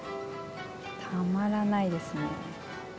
たまらないですね。